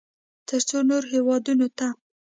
ترڅو نورو هېوادونو ته